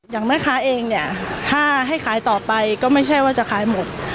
อย่างแม่ค้าเองเนี่ยถ้าให้ขายต่อไปก็ไม่ใช่ว่าจะขายหมด